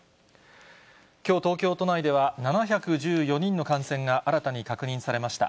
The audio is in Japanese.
きょう、東京都内では７１４人の感染が新たに確認されました。